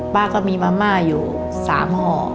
ป้าก็มีมะม่าอยู่๓ห่อ